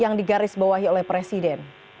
yang digarisbawahi oleh presiden